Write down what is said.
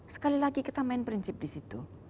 sekali lagi kita main prinsip di situ